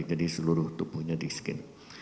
jadi seluruh tubuhnya di ct scan